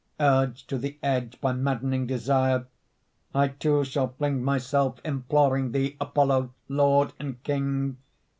Urged to the edge By maddening desire, I, too, shall fling myself Imploring thee, Apollo, lord and king!